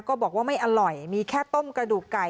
ก็บอกว่าไม่อร่อยมีแค่ต้มกระดูกไก่